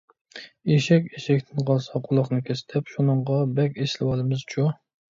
«ئېشەك ئېشەكتىن قالسا قۇلاقنى كەس» دەپ، شۇنىڭغا بەك ئېسىلىۋالىمىزچۇ .